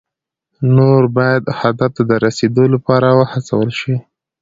نور باید هدف ته د رسیدو لپاره وهڅول شي.